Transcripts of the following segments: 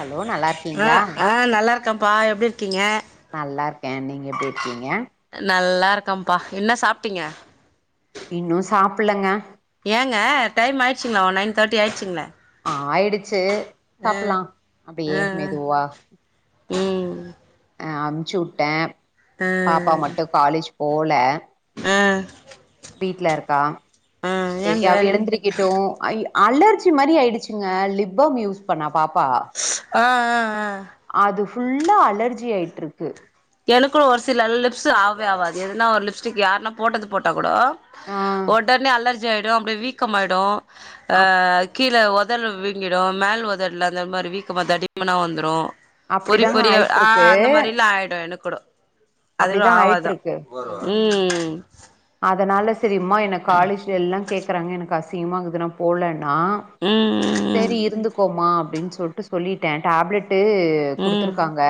Hello நல்லா ஆ இருக்கீங்களா ஆ நல்லா இருக்கப்பா எப்டி இருக்கீங்க நல்லா இருக்கே நீங்க எப்டி இருக்கீங்க நல்லா இருக்கப்பா என்ன சாப்ட்டீங்க இன்னு சாப்பல்லங்க ஏங்க டைமாயிடுச்சிங்ளா நையன் தேர்ட்டி ஆயிடுச்சிங்ளே ஆயிடுச்சு சாப்டலா அப்டியே ஆ மெதுவா ம் அ அமுச்சுவுட்டே பாப்பா மட்டு காலேஜ் போல அ வீட்லருக்கா செரி ஏங்க அவ எழுந்திருக்கட்டு அலர்ஜி மாரி ஆயிடுச்சுங்க லிப்பாம் யூஸ் பண்ணா பாப்பா ஆ ஆ ஆ அது ஃபுல்லா அலர்ஜியாயிட்டுருக்கு எனக்கு ஒரு சில லிப்ஸு ஆவே ஆகாது எதுனா ஒரு லிப்ஸ்டிக் யாருனா போட்டது போட்டா கூடோ ஆ ஒடனே அலர்ஜியாயிடு அப்டி வீக்கமாயிடு அ அப் கீழ் ல உஒடு வீங்கிடு மேல் உதட்ல அந்த மாதரி வீக்கமா தடிமனா வந்துரு பொறி அப்டிதாங்க பொறியா ஆ ஆயிட்ருக்கு அந்த மாதிரியெல்லா ஆயிடு எனக்கு கூடோ அதுலு அப்டிதா ஆவாதுதா ஆயிட்ருக்கு ம் அதனால செரிம்மா ஏ காலேஜ்ல எல்லா கேக்கறாங்க எனக்கு அசிங்மாருக்குது போலன்னா ம் செரி இருந்துக்கோமா அப்டின் சொல்ட்டு சொல்லிட்டே டேப்லெட் டு ம் குடுத்துருக்காங்க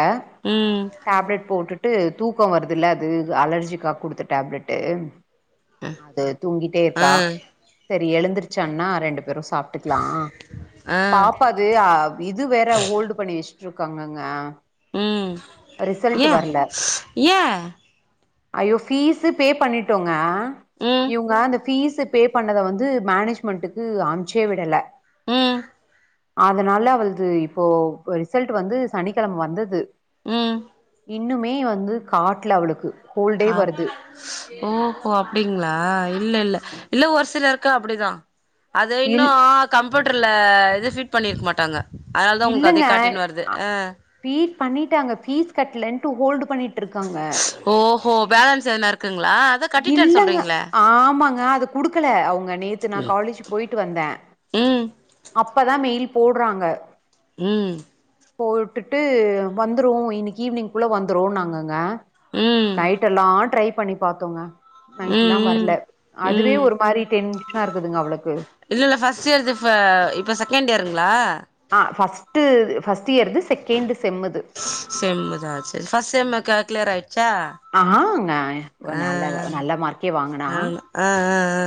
ம் ம் டேப்லெட் போட்டுட்டு தூக்கோ வருதுல்ல அது அலர்ஜிக்காக குடுத்த டேப்லெட்டு் அது தூங்கிட்டேருக்கா ஆ செரி எழுந்தருச்சான்னா ரெண்டு பேரு சாப்ட் ட்டுக்கலா ஆ பாப்பாது் இது வேற ஹோல்டு பண்ணி வெச்சுட்டுருக்காங்கங்க ம் ஏ ஏ ஐயோ ஃபீஸு பே பண்ணிட்டோங்க ம் இவங்க அந்த ஃபீஸ்ச பே பண்ணத வந்து மேனேஜ்மெண்ட்டுக்கு அனுப்ச்சே விடல ம் அதனால அவள்து இப்போ ரிசல்ட் வந்து சனிக்கெழம வந்தது ம் இன்னுமே வந்து காட்ல அவளுக்கு ஹோல்டே அப் வருது ஓ ஹோ அப்டிங்ளா இல்லெல்ல இல்ல ஒரு சிலருக் கு அப்டிதா அது இன்னு இல் கம்ப்யூட்டர்ல இது பிட் பண்ணிருக்க மாட்டாங்க அதனால தா உங்களுக் அதே காட்டின்னு வருது ஆ ஃபீஸ் பண்ணிட்டாங்க ஃபீஸ் கட்டலன்ட்டு ஹோல்டு பண்ணிகிட்டுருக்காங்க ஓஹோ பேலன்ஸ் எதுனா இருக்குங்ளா இல்லங்க ஆமாங்க அத குடுக்கல அவுங்க நேத்து நா காலேஜ் போயிட்டு வந்த ம் அப்பதா மெயில் போடுறாங்க ம் போட்டுட்டு வந்துடு இன்னைக்கி ஈவினிங்க்குள்ள வந்துடுன்னாங்கங்க ம் நைடெல்லா ட்ரை பண்ணி பாத்தோங்க நைடெல்லா ம் ம் வரல அதுவே ம் ஒரு மாதிரி டென்ஷனாருக்குதுங்க அவளுக்கு இல்லெல்ல ஃபஸ்ட் இயர் இது இப்ப இப்போ செகண்ட் இயருங்ளா ஆ ஃபர்ட்ஸ்டு து ஃபர்ஸ்ட் இயர்து செகண்டு் செம்முது செம் செம்பு தா அது ஃபஸ்ட்டு செம் கிளியர் ஆயிடுச்சா ஆகாங்க ஒரு ஆ நல்ல நல்ல மார்க்கே வாங்குனா ஆமா ஆ ஆ ஆ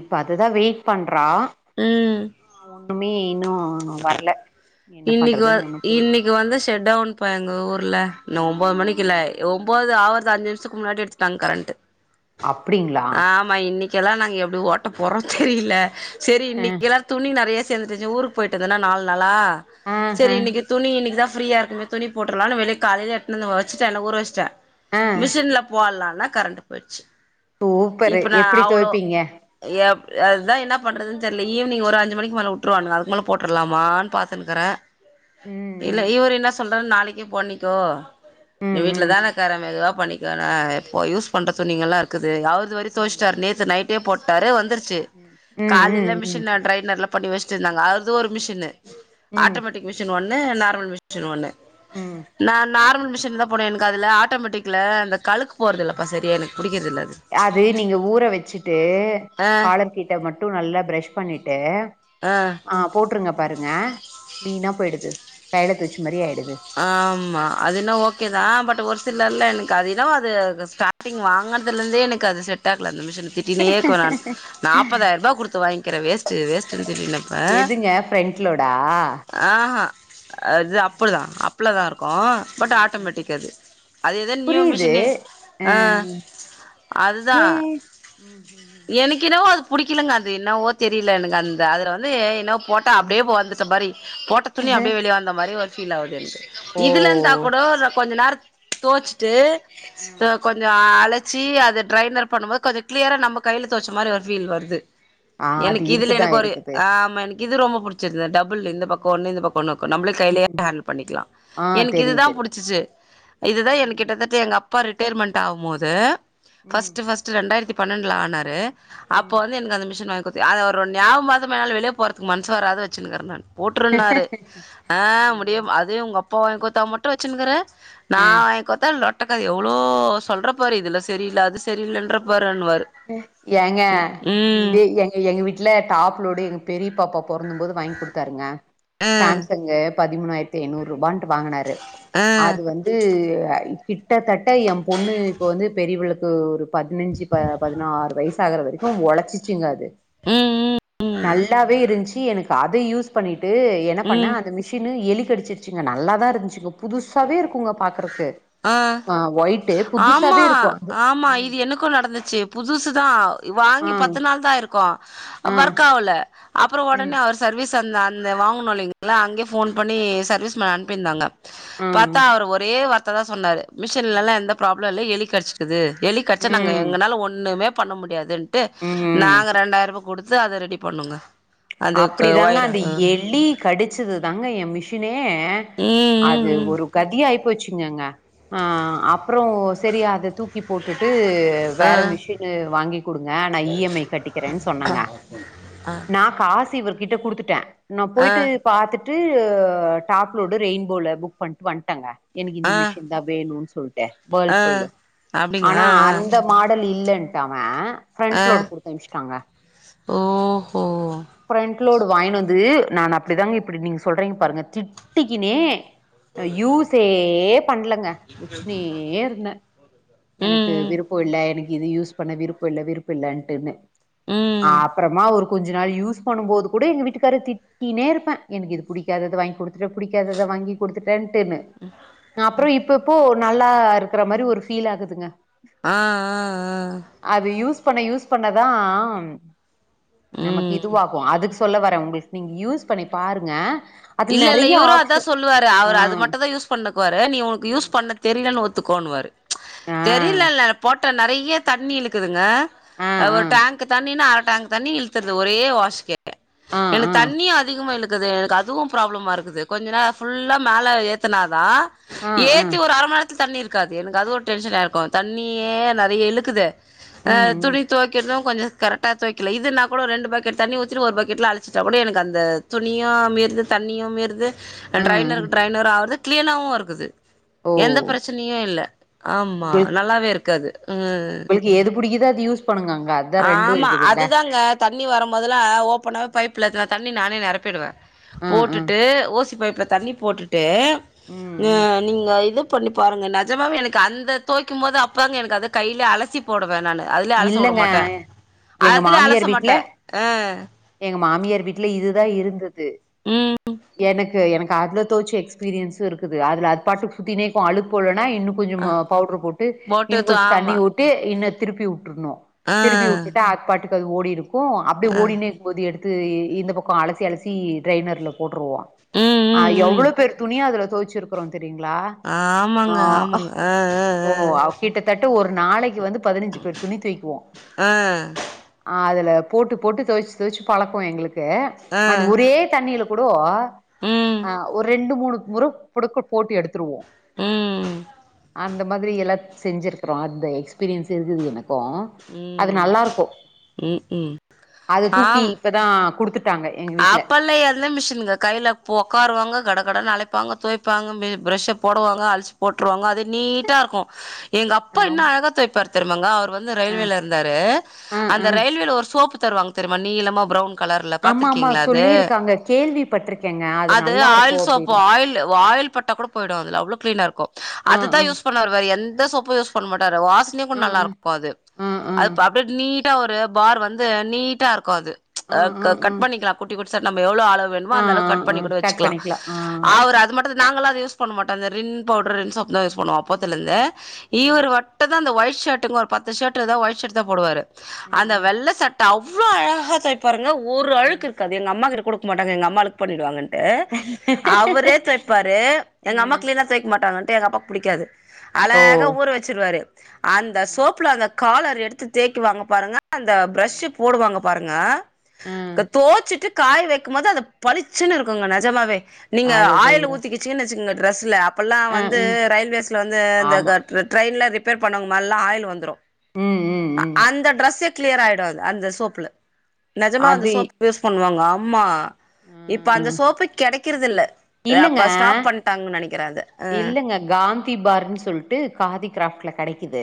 இப்ப அதுதா வெயிட் பண்றா ம் ஒண்ணுமே இன்னு வர்ல என்ன பண்றதுன் ஒண்ணு புரில் இங்க் வந்து ஷட்டோன்பா எங்க ஊர்ல இன்னு ஒம்போது மணிக்குல ஒம்போது தாவுரது அஞ்சு நிமிசத்துக்கு முன்னாடி எடுத்துட்டாங்க கரண்ட் அப்டிங்ளா மா இன்னைக்கெல்லா நாங்க எப்டி ஓட்ட போறோ தெரியல செரி அ இன்னைக்ல்லா துணி நெறையா சேந்துருச்சு ஊருக் போயிட்டதன்னா நால் நாளா ஆ செரி ஆ இன்னைக்கி துணி இன்னைக்குதா ஃப்ரீயா இருக்குமே துணி போட்றலானு வெளிய காலைல எட்த்துன் வச்சிட்டே என்ன ஊறவெச்சுடே ஆ மிசுன்ல போல்லான்னா கரண்ட்டு போய்ட்ச்சு சூப்பரு எப்புடி தொய்ப்பீங்க யப் அதுதா என்ன பண்றதுன் தெர்ல ஈவினிங் ஒரு அஞ்சு மணிக் மேல உட்ருவானுக அ துக்கு மேல போட்றலாமா பாத்துன்னுக்கற இல்ல ம் இவுரு இன்னா சொல் றாரு நாளிக்கே பண்ணிக்கோ நீ ம் வீட்ல ம் தான இக்கற மெதுவா பண்ணி க நா இப்போ யூஸ் பண்ற துணிங்கல்லாருக்குது அவ்ருது அவரே ம் தொவ்ஷ்டார் நேத்து நைட் டே போட்டாரு வந்துருச்சி ம் ம் கால்லுலே ம் ம் மிஷின்னா ட்ரைனர்ல பண்ணி வெஷ்ட்ர்ந்தாங்க அது ஒரு மிஷ்ஷின்னு ம் ஆட்டோமட்டிக் மிஷுன் ஒன்னு நார்மல் மிஷ்ன் ஒன்னு ம் நா நார்மல் மிஷின்தாப் போடுவே எனுக் அதுல ஆட்டோமெட்டிக்ல அந்த கழுக் போறதில்லப்பா செரியா எனக் புடிக்கிறதில்ல அது அது நீங்க ஊற வெச்சிட்டு ஆ காலர்க் கிட்ட மட்டு நல்லா பிரஷ் பண்ணீட்டு ஆ ஆ போட்ருங்க பாருங்க க்ளீனா போய்டுது கைல தொவ்ச்ச மாரியே ஆய்டுது ஆம்மா அது இன்னா ஓகே தா பட் ஒரு சிலர்ல எனக் அது இனவோ அது அது ஸ்டா டிங் வாங்கன்துலர்ந்தே எனக்கு அது செட்டாகல அந்த மிஷினு திட்டினேர்க்குவ நானு ம் நாப்பதாய்ருபா குடுத்து வாங்க்கிற வேஸ்ட்டு வேஸ்ட்டுனு திட்டின்னிர்ப் எதுங்க ஃப்ரெண்ட்லோடா ஆ ஆ அது ம் அப்புடி தா அப்லதாருக்கு ஆ பட் ஆ ஆட்டோமெட்டிக் அது அது எதோ நியூ புரியுது மிஷுனு அ ஆ ஏ ம் ம் எனுக்கின்னாவோ அதுப் புடிக்கிலங்க அது இன்னவோ தெரில்ல எனக் அந்த அதுல வந்து என்னோவ் போட் டா ம் அப்டே வந்துட்டா மாறி போட்டத் துணி அப்டே ம் வெளிய வந்த மாரி ஒர் ஃபீல் ஆவுது எனுக் ஓ இதுலர்ந்துதா கூடோ ஒரு கொஞ்ச நேர்த் தொவ்ச்சிட்டு ம் அ கொஞ்சோ அலச் சீ அது ட்ரைனர் பண்ணு போத் கொஞ்ச க்ளியரா நம்ப கைல தொவ்ச்ச மாரி ஒரு ஃபீல் வர்து ஆ அது எனுக்கிதுல இருக்குதா எனக் ஒரு இருக்குது ஆம்மா எனிக் கிது ரொம்ப புடிச்சது இத டபுளு இந்த பக்கோ ம் ஒன்னு இந்த பக்கோ ஒன்னுர்க்கு ம் நம்ப்ளே கைலியே பண்ணிக்லா ஆ எனுக் தெரியு இதுதா தெரியு புடிச்சுச்சு இதுதா எனக் ம் கிட்டத்தட்ட எங்க அப்பா ரிட்டேர்மன்ட் ஆவும்மோது ம் ஃபஸ்ட்டு ஃபர்ஸ் டு ரெண்டாய்ர்த்தி பண்ணன்ட்ல ஆனாரு அப்போ ம் வந்து எனுக் அந்த மிஷுன் வாங் குத்து அத ஒரு ஞாவமர்தமேல வெளியே போறதுக்கு மன்ஸு வராத வெச்சினுக்கற நானு போட்ருன்னாரு ஆ ம் முடியேம் அதே உங்கப்பா வாய்ங்க்குத்தா மட்டு வெச்சுன்னுக்கற நா ம் வாங்க்குத்தா லொட்டக்கத எவ்ளோ சொல்றப்பாரு இதுல செரில்ல அது செரில்லன்ற பாருன்வாரு ஏங்க இதே எங் எங்க வீட்ல டாப்லோடு எங்க பெரிய பாப்பா பொறந்தும் போது வாய்ங்க் குடுத்தாருங்க ஆ சேம்சங்கு பதிமூணாயிர்த்தைனூரூபான்ட்டு வாங்குனாரு ஆ அது வந்து கிட் டத்தட்ட எம் பொண்ணு இப்போ வந்து பெரியவ்ளுக்கு ஒரு பதினஞ்சு ப பதினாறு வயசு ஆகறவரிக்கு ஒழச்சிச்சுங்க அது ம் ம் நல்லாவே இருன்ச்சி எனுக் கத யூஸ்ப் பண்ணிட்டு என்ன பண்ண ம் அந்த மிஷின்னு எலி கடிச்சிர்ச்சிங்க நல்லாதா இர்ந்த்ச்சு புதுசாவேருக்குங்க பாக்குறக்கு ஆ ஒய்ட்டு புதுசாவே இருக்கு அது ம் கு நடந்துச்சி புதுசுதா ஆ வாங்கி பத்து நாள் தாயிருக்கோ ஆ வருக்காவுல அப்றோ ம் ஒடனே அவுரு சர்வீஸ் அந்த அந்த வாங்குனோ இல்லிங்ளா அங்யே ஃபோன் ம் ம் பண்ணி சர்வீஸ் மேன் அன்ப்பிர்ந்தாங்க ஆ பாத்தா அவரு ஒரே வார்த்த தா சொன்னாரு ம் மிஷ்ஷின்லல்லா எந்த ப்ராப்ள இல்ல எலிக் கட்ச்சிக்குது எலி கடிச்சா நாங்க எங்கனால ஒன்னுமேப் பண்ண முடியாது ன்ட்டு ம் ம் நாங்க ரெண்டாயிர்பா குடுத்து அத ரெடி பண்ணோங்க அது அப்டி க தாங்க ஒயர அந்த எலி கடிச்சிது தாங்க என் மிஷ்ஷினே ம் அது ம் ம் ஒரு கதியா ஆய்ப் போச்சிங்கங்க ஆ அப்றோ செரி அத தூக்கி போட்டுட்டு ஆ வேற மிஷின் வாங்கி் குடுங்க நா இ எம் ஐ கட்டிக்கிறேன் சொன்னங்க நா காசு இவர்கிட்ட குடுத்துட்டே நா ஆ போய்ட்டு பாத்துட்டு டாப்லோடு ரெயின்போல புக் பண்ட்டு வன்ட்டங்க எனுக்கு இந்த ஆ மிஷின் த வேணுன் சொல்ட்டு வேர்ல் ஆ புலு அப்டிங்க ஆனா ஆ அந்தப் மாடல் இல்லன்ட்டவ ஆ ஆ ஃப்ரண்ட்லோடு குடுத்து அம்ச்ட்டாங்க ஓஹோ ஃபிரண்ட்லோடு வாய்னுவந்து நானு அப்டிதாங்க இப்டி நீங்க சொல்றீங்க பாருங்க திட்டிகினே அ யூஸே பண்லங்க வச்சினேருந்தே ம் எனக்கு ம் விருப்போ இல்ல எனக்கு இத யூஸ் பண்ண விருப்போ இல்ல விருப்பு இல்லன்ட்டுனு ம் ஆப்றமா ஒரு கொஞ்ச நாள் யூஸ் பண்ணும்போது கூட எங்க வீட்டுக்காரு திட் டினேருப்பே எனக்கு இது புடிக்காதத வாங்கி குடுத்துட்ட புடிக்காதத வாங்கி குடுத்துட்டேன்டுனு அப்றோ இப்ப இப்போ நல்லா இருக்ற மாரி ஒரு ஃபீல் ஆகுதுங்க ஆ ஆ ஆ அது யூஸ் பண்ண யூஸ் பண்ணதா ஆ நமக்கு ம் இதுவாகு அதுக்கு சொல்ல வரே உங்ளுக் நீங்க யூஸ் பண்ணி பாருங்க அதுல இல்ல இல்ல நெறைய இவுரு அதா ஆப்ஷன் சொல்லுவாரு ஆ அவரு அது மட்டுதா யூஸ் பண்ணுக்வாரு நீ உனக்கு யூஸ் ம் பண்ண தெரிலனு ஒத்துக்கோணுவாரு ஆ தெரிலல்ல போட் டா நெறைய தண்ணி இழுக்குதுங்க ஆ ஆ ஒரு டேங்க் தண்ணிணா அர டேங்க் தண்ணி இழுத் துர்து ஒரே வாஸ்க்கே ஆ எனக்கு தண்ணியு அதிகமா இழுக்குது எனக்கு அதுவும் ப்ராப்ளமா இருக்குது கொஞ்ச நேரோ ஃபுல்லா மேல ஏத்தனாதா ஆ ஆ ஆ ஏத்தி ஒரு அர மண் நேரத் தண்ணி இருக்காது எனக்கு அது ஒரு டென்ஷனாருக்குன் தண்ணியே ம் நெறைய இழுக்குது அ ம் ம் துணி தொவைக்கிறது கொஞ்ச கரெக்டா தொய்க்கல இதுனா கூட ரெண்டு பக்கெட் தண்ணி ஊத்திட்டு ஒரு பக்கெட்ல அலசிட்டா கூட எனக்கு அந்த துணியு மீர்ந்து தண்ணியு மீறுது ஆ ஆ ட்ரைனரு ட்ரைனரு ஆவுர்து க்ளீனாவு இருக்குது ஓ எந்தப் பிரச் ச்னையு இல்ல ஆமா உங்களுக் நல்லாவேருக்கு அது ம் உங்களுக்கு எது புடிக்குதோ அது யூஸ் பண்ணுங்கங்காது ஆமா அதுதாங்க தண்ணி வரம்போதுலா ஓப்பனாவே பைப்புல ந தண்ணி நானே நெரப்பிடுவே ஆ ஆ போட்டுட்டு ஓசிபைப்புல தண்ணி போட்டுட்டு ம் நே ம் நீங்க இதுப் பண்ணி பாருங்க நெஜமாவே எனுக்கு அந்த தொய்க்கும்போது அப்பதாங்க எனக்கு அத கைல அலசிப் போடுவே நானு அதுலே அலச வுட இல்லங்க மாட்டே எங்க அதுல மாமியார் அலச வீட்ல மாட்டே அ எங்க மாமியார் வீட்ல இதுதா இருந்துது ம். எனக்கு எனக்கு அதுல தொவச்சு எக்ஸ் பீரியன்ஸு இருக்குது அதுல அது பாட்டுக் சுத்தினேக்கு அழுக் போலனா இன்னு அ கொஞ்சமா பவுட்ரு போட்டு இன்னு து கொஞ்ச தண்ணி ஆமா. ஊட்டி இன்னு திருப்பி வுட்ருணு அ திருப்பி வுட்டுட்டு அத் பாட்டுக்கு அது ஓடிருக்கு அப்டியே அ. ஓடினேக் போது எடுத்து இந்த பக்கோ அலசி அலசி ட்ரரைனர்லப் போட்ருவோ ம் ஆ ம் ம். எவ்ளோ பேர் துணிய அதுல தொவச்சிருக்கறோ தெரியுங்ளா ஆமங்க ஆமங்க அ ஓ அ அ கிட்டத்தட்ட ஒரு நாளைக்கு வந்து பதினஞ்சு பேர் துணி தொய்க்குவோ அ. அதுல போட்டு போட்டு தொவச்சு தொவச்சு பழக்கோ எங்களுக்கு அ அது அ. ஒரே தண்ணில கூடோ ம் ஆ ஒரேத் ரெண்டு மூனு முறப் புடுக்கல் போட்டு எடுத்ருவோ ம் அந்த மாதிரி எல்லாத் செஞ்சுருக்குறோ அந்த எக்ஸ்பீரியன்ஸ் இருக்குது எனக் கோ அது ம் நல்லாருக்கு ம் ம் அது தூக்கி இப்ப தா குடுத்துட்டாங்க எங்க வீட்ல ஆப்பல்லா எ ந்த மிஷினுங்க கைலப் ஒக்காருவாங்க கட கடனு அழைப்பாங்க தொய்ப்பாங்க மே ப்ரஷ போடுவாங்க அழ்சி போட்ருவாங்க அது நீட்டாருக்கு எங்கப்பா இன்னு ஆம் அழகா தொய்ப்பாருத் தெர்மாங்க அவர் வந்து ஆ ரயில்வேலருந்தாரு ஆ ஆ அந்த ரயில்வேல ஒரு சோப்பு தருவாங்க தெரியுமா நீளமா ப்ரவுன் கலர்ல ஆமா பாத்துருக் ஆமா கீங்ளா அது சொல்லிருக்காங்க கேள்விப்பட்டிருக்கேங்க அது நல்லா இருக்கு ஆயில் சோப் அப்டின்னு ஆயில் ஆயில் பட்டா கூட போயிடும் அதுல அவ்ளோ க்லீனா இருக்கூ ஆ ஆ அதுதான் யூஸ் பண்ண வருவாரு எந்த சோப்பும் யூஸ் பண்ண மாட்டாரு வாசனையும் கூட ஆ நல்லா ஆ இருக்கும் அது ஆ ஆ அது ஆ அப்டியே நீட் சா ஒரு பார் வந்து நீட்டா இருக்கும் அது அ ஆ க ஆ கட் பண்ணிக்கலாம் குட்டி குட்டிசா நம்ப எவ்ளோ அளவு வேணுமோ ஆ அந்த அளவுக் ஆ கட் ஆ பண்ணி கூட கட் வச்சுக்கலாம். பண்ணிக்கலா ஆ அவர் அது மட் நாங்கலா அது யூஸ் பண்ண மாட்டோம் அந்த ரின் பவுடர் ரின் சோப்புதான் யூஸ் பண்ணுவோம் ம் அப்பொத்துலந்து ம் ம் இவர்வட்டு தான் இந்த ஒயிட்ஷர்ட்டுங்க ஒரு பத்து ஷர்ட்தா ஒயிட்ஷர்ட் தான் போடுவாரு ம் அந்த ம் வெள்ள சட்ட அவ்ளோ அழஹா தைபாருங்க ஒரு ம் கிருக்காது எங்க அம்மாகிட்ட குடுக்க மாட்டங்க அம்மாளுக் பண்ணிடுவாங்கன்டு அவரே தெய்ப்பாரு அ எங்க அம்மா க்ளீனா தெய்க்க மாட்டாங்கன்டு எங்க அப்பா புடிக்காது. ஓ அழகா ஊற வச்சுருவாரு அந்த சோப்ல அந்த காலர் எடுத்து தேக்கிவாங்க பாருங்க அந்த ப்ரஷ்ஷு போடுவாங்க பாருங்க ஆ தோச்சிட்டு காய வைக்கும் மோது அத பளிச்சுன்னு இருக்குங்க நெஜமாவே நீங்க ஆயில் அதுதது ஊத்தக்கிச் சீனு வெச்சிகோங்கா ட்ரெஸ்ல அப்பெல்லா ஆ வந்து ம் ரயில்வேஸ்ல வந்து அந்த ஆமா கர் ட்ரெ ட்ரெயின்லா ரிப்பேர் பண்ணவுங்க மேலலாம் ஆயில் வந்துரும் ம் ம் ம் அந்த டிரஸ்ஸே கிளியர் ஆயிடும் அதுல அந்த சோப்ல நிஜமா அந்த அது சோப் யூஸ் பண்ணுவாங்க ஆம்மா இப்ப அந்த ம் சோப்பே கெடக்கிறதில்ல எ இல்லங்க அப்ப ஸ்டாப் பண்ட்டாங்கன்னு நெனக்கிற அத அ இல்லங்க காந்தி பார்ன்னு சொல்ட்டு காதி கிராஃப்ட்ல கடக்கிது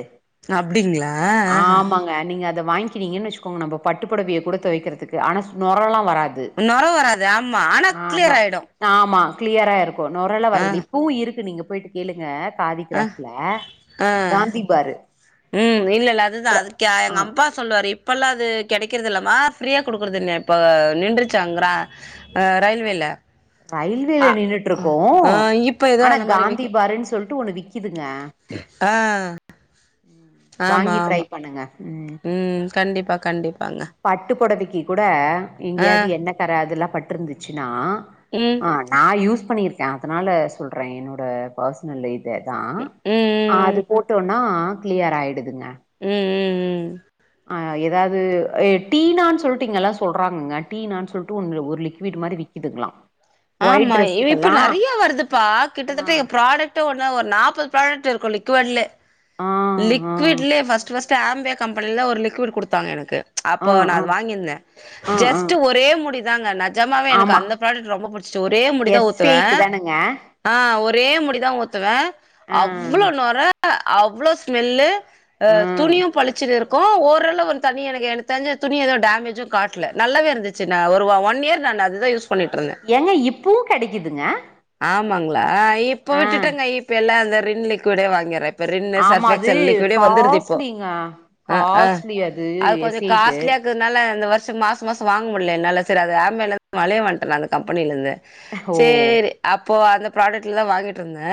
அப்டிங்களா ஆஹ ஆமாங்க நீங்க அத த வாங்கிறீங்கனு வச்சுக்கோங்க நம்ப பட்டுப்பொடவய கூட தொவக்கிறதுக்கு ஆனா நொறலாம் வராது நொர வராது ஆமா ஆ நொ ஆனாக்ளியர் ஆயிடும் ஆமா க்ளியரா இருக்கும் நொரலா வரதில்ல இப்பவும் இருக்கு நீங்க போயிட்டு கேளுங்க காதி ஆ கிராஃப்ட்ல ஆ காந்தி பாரு ம் இல்ல இல்ல அதுதான் ப்ர அது கியா அது ஆ எங்க அப்பா சொல்லுவாரு இப்பெல்லாம் அது கெடக்கிறது இல்லமா ஃப்ரீயா ஆ குடுக்குறதில்லயாம் இப்ப நின்றுச்சாங்ர ஆ ரயில்வேல ரயில்வேல அ நின்னுற்றுக்கும் ஆ இப்ப ஏதோ ஆனா அந்த மாரி காந்தி விக்க பாருன்னு சொல்ட்டு ஒன்னு விக் ஆ ம் ஆமா வாங்கி ட்ரை ஆமா பண்ணுங்க ம் ம் கண்டிப்பா கண்டிப்பாங் பட்டுப்பொடவைக்கு கூட ஆ எங்கேயாது என்ன கர அதெல்லாம் பட்ருந்துச்சுன்னா ம் ஆ நான் யூஸ் பண்ணிருக்க அதனால சொல்றே என்னோட பெர்சனல் இதேதான் ம் அது ம் போட்டோன்னா கிளியர் ஆயிடுதுங்க ம் ம் ம் ஆ ஏதாது ஏ டீனான்னு சொல்ட்டு இங்கெல்லா சொல்றாங்கங்க டீனான்னு சொல்ட்டு ஒரு லிக் விடு மாறி விக்கிதுங்களாம் ஆமா இவ் இப்ப நெறைய வருதுப்பா ஆ கிட்டத்தட்ட எ ப்ராடக்ட் ஒன்னு ஒரு நாப்பது ப்ராடக்ட் இருக்கும் லிக்விட்லே. ஆ ஆ ஆ லிக்விட்லே பஸ்ட் பஸ்ட் ஆம்பியாக் கம்பெனில ஒரு லிக்விட் குடுத்தாங்க எனக்கு அப்போ நான் ஆ அத வாங்கிருந்தே ஆ ஆ ஜஸ்ட்டு ஒரே முடி தாங்க நஜமாவே எனக்கு ஆமா அந்த ப்ராடக்ட் ரொம்ப புடிச்சிச்சு ஒரே மூடிதான் எஸ் ஊத்துவ எயிட் தானுங்க ஆ ஒரே முடிதான் ஊத்துவ ஆ அவ்ளோ நொர அவ்ளோ ஸ்மெல்லு ஆ துணியும் பழிச்சுன்னு இருக் கூ ஓரளவு அந்த தண்ணி எனக்கு எனக்கு தெரிஞ்சி துணி எதுவும் டேமேஜூம் காட்டல நல்லாவே இருந்துச்சு ஒரு ஒன் இயர் நான் அது தா யூஸ் பண்ணிட்ருந்த ஏங்க இப்பவும் கெடக்கிதுங்க ஆமாங்களா இப்ப விட்டுட்டேங்க இப்ப எல்லாம் அந்த ரின் லிக்விடே வாங்கியற ப ரின்னு ஆமா அது சர்ஃப்எக்செல் லிக்விடே வந்துருது இப்போ காஸ்ட்லிங்க அ அ காஸ்ட்லி அது கொஞ்சோ எஸ் எயிட்டு காஸ்லியாக்கு னால இந்த வருஷம் மாசம் மாசம் வாங்க முடியல என்னால சரி அது ஆம்வேலந் வலியவன்ட்ட அந்த கம்பெனில இருந்து ஓ சேரி அப்போ அந்த ப்ராடக்ட்ல தான் வாங்கிட்டுருந்த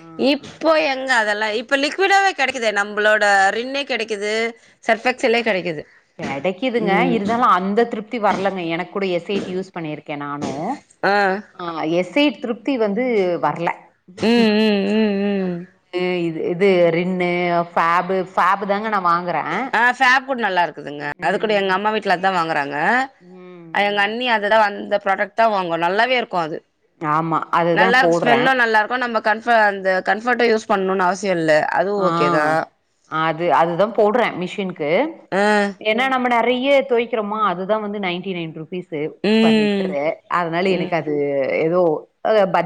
ஆ ஆ இப்போ எங் அதெல்லா இப்ப லிக்விடாவே கெடக்கிது நம்மளோட ரின்னே கெடக்கிது சர்ஃப் எக்செலே கெடக்கிது கெடக்கிதுங்க இருந்தாலு அந்த த்ருப்தி வரலங்க எனக்கு கூட எஸ் எய்ட் யூஸ் பண்ணியிருக்கே நானு ஆ எஸ் எய்ட் திருப்தி வந்து வரல ம் ம் ம் ம். ஏ இத் இது ரின்னு ஃபேப்பு ஃபேப்பு தாங்க நா வாங்குறே ஆ ஃபேப் கூட நல்லா இருக்குதுங்க அது கூட ம் எங்க அம்மா வீட்ல அதா வாங்குறாங்க ம் எங்க ம் அண்ணி அத தா அந்த ப்ராடக்ட் தா வாங்கு நல்லாவே இருக்கு அது ஆமா அதுதா நல்லா இருக்கு போடுறே ஸ்மெல்லு நல்லா இருக்கு நம்ம கம்ஃபெ அந்த கம்ஃபெட்டு யூஸ் பண்ணும்னு அவசியோல்ல ஆ அது அதுதா போடறே மிஷின்கு ஆ ஏன்னா நம்ம நெறைய தோய்க்கிறோமா அதுதா வந்து நைன்டி நைன் ருப்பீஸ் ஸூ பர் ம் லிட்டரு அதனால ம் எனக்கு அது ஏதோ அ ப